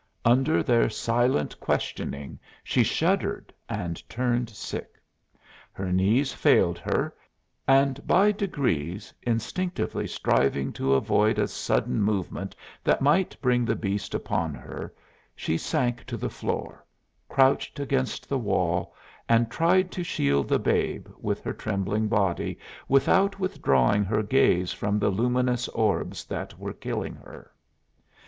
Under their silent questioning she shuddered and turned sick. Her knees failed her, and by degrees, instinctively striving to avoid a sudden movement that might bring the beast upon her, she sank to the floor, crouched against the wall and tried to shield the babe with her trembling body without withdrawing her gaze from the luminous orbs that were killing her.